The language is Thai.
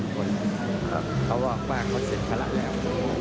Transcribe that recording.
เป็นทุก๑๓คนเพราะว่าเขาเสร็จภรรก์แล้ว